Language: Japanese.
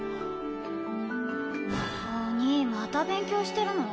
お兄また勉強してるの？